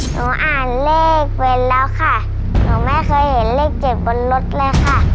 หนูอ่านเลขไว้แล้วค่ะหนูไม่เคยเห็นเลขเก็บบนรถเลยค่ะ